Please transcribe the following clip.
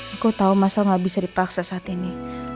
aku tau masel gak bisa dipaksa saat ini